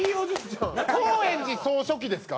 高円寺総書記ですか？